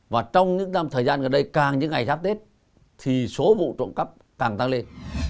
và trong những năm thời gian gần đây càng những ngày giáp tết thì số vụ trộm cắp càng tăng lên